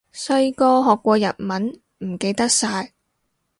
細個學過日文，唔記得晒